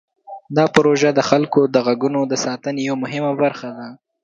دا پروژه د خلکو د غږونو د ساتنې یوه مهمه برخه ده.